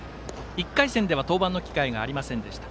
１回戦では登板の機会がありませんでした。